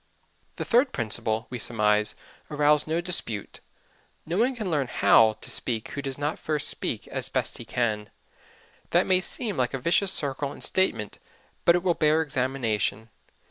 The third principle will, we surmise, arouse no dispute: No one can learn how to speak who does not first speak as best he can. That may seem like a vicious circle in statement, but it will bear examination.